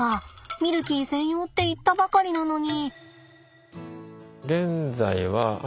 ミルキー専用って言ったばかりなのに。